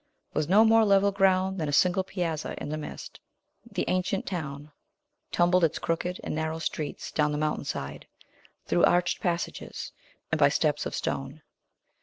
With no more level ground than a single piazza in the midst, the ancient town tumbled its crooked and narrow streets down the mountainside, through arched passages and by steps of stone.